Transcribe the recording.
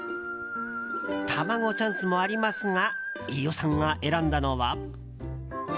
卵チャンスもありますが飯尾さんが選んだのは。